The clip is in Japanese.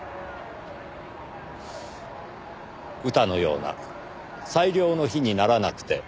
歌のような最良の日にならなくて。